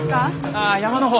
ああ山の方。